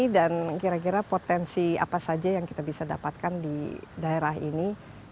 dan kira kira potensi apa saja yang kita bisa dapatkan di daerah ini